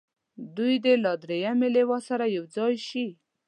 دوی دې له دریمې لواء سره یو ځای شي.